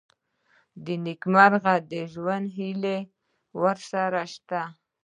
د نېکمرغه ژوند هیلې ورسره شته.